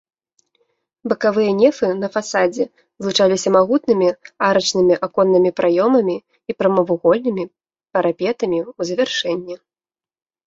Бакавыя нефы на фасадзе вылучаліся магутнымі арачнымі аконнымі праёмамі і прамавугольнымі парапетамі ў завяршэнні.